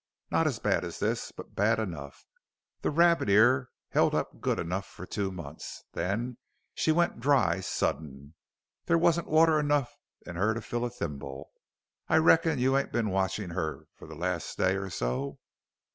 Not so bad as this, but bad enough. The Rabbit Ear held up good enough for two months. Then she went dry sudden. There wasn't water enough in her to fill a thimble. I reckon you ain't been watchin' her for the last day or so?"